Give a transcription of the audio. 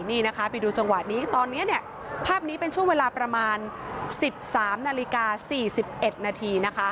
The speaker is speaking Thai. นี่นะคะไปดูจังหวะนี้ตอนนี้ภาพนี้เป็นช่วงเวลาประมาณ๑๓นาฬิกา๔๑นาทีนะคะ